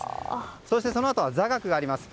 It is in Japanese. そして、そのあとは座学があります。